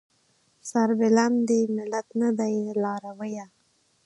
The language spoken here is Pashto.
سربلند دې ملت نه دی لارويه